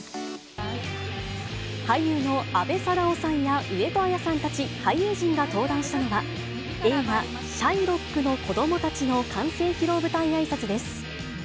俳優の阿部サダヲさんや上戸彩さんたち、俳優陣が登壇したのが、映画、シャイロックの子供たちの完成披露舞台あいさつです。